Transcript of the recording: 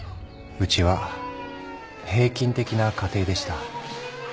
うちは平均的な家庭でした。